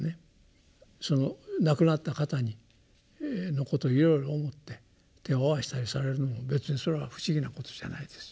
その亡くなった方のことをいろいろ思って手をあわしたりされるのを別にそれは不思議なことじゃないです。